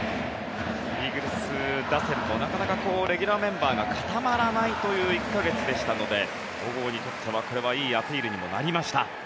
イーグルス打線もなかなかレギュラーメンバーが固まらないという１か月でしたので小郷にとっては、これはいいアピールにもなりました。